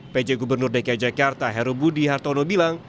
pj gubernur dki jakarta herobudi hartono bilang